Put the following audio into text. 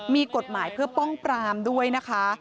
มีกฎหมายเพื่อป้องปรามด้วยนะคะ